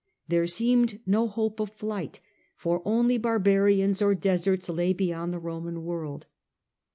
There seemed no hope of flight, for only barbarians or deserts lay beyond the Roman world.